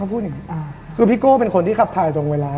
พี่โก้เป็นคนขับถ่ายตรงเวลา